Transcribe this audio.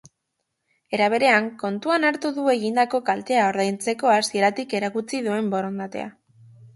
Era berean, kontuan hartu du egindako kaltea ordaintzeko hasieratik erakutsi duen borondatea.